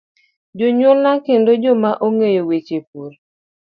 Jonyuolna kendo jomoko ma ong'eyo weche pur.